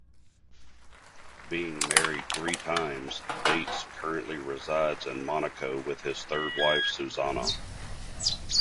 Being married three times, Bates currently resides in Monaco with his third wife, Suzannah.